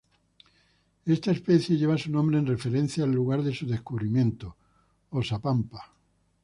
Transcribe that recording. Esta especie lleva su nombre en referencia al lugar de su descubrimiento, Oxapampa.